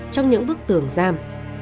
trong những bức tường giam